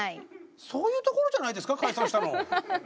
そういうところじゃないですか解散したの。